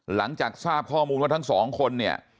หลังจากทราบข้อมูลว่าทั้งสองคนเนี่ย